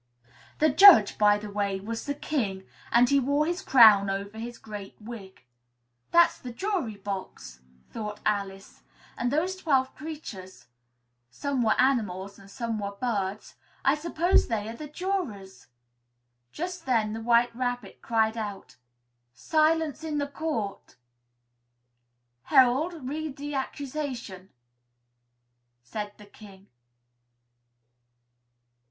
The judge, by the way, was the King and he wore his crown over his great wig. "That's the jury box," thought Alice; "and those twelve creatures (some were animals and some were birds) I suppose they are the jurors." Just then the White Rabbit cried out "Silence in the court!" "Herald, read the accusation!" said the King.